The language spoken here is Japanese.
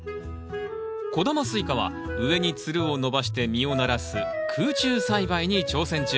小玉スイカは上につるを伸ばして実をならす空中栽培に挑戦中。